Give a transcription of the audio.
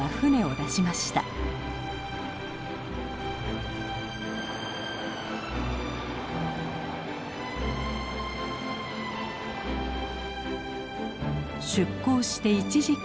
出港して１時間。